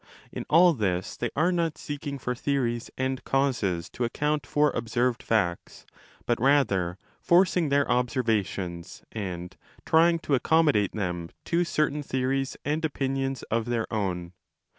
_ In all this they are not seeking for theories and causes to account for observed facts, but rather forcing their observations and trying to accommodate them to certain theories and opinions of their own.